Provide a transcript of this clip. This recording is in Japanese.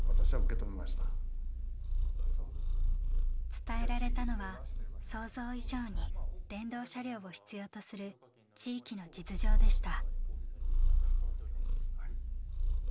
伝えられたのは想像以上に電動車両を必要とする地域の実情でした。